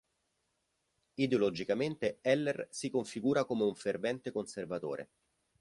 Ideologicamente Heller si configura come un fervente conservatore.